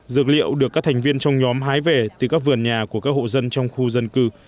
dược liệu được các thành viên trong nhóm hái về từ các vườn nhà của các hộ dân trong khu dân cư